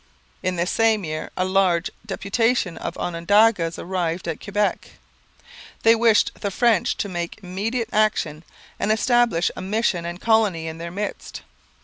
In this same year a large deputation of Onondagas arrived at Quebec. They wished the French to take immediate action and establish a mission and colony in their midst.